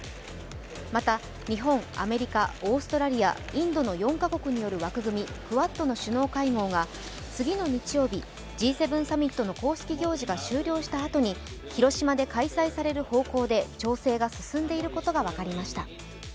また、日本・アメリカ・オーストラリア・インドの４か国による枠組み＝クアッドの首脳会合が次の日曜日、Ｇ７サミットの公式行事が終了したあとで広島で開催される方向で調整が進んでいることが分かりました。